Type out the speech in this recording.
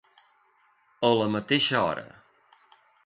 A la mateixa hora.